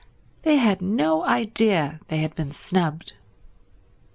They had no idea they had been snubbed.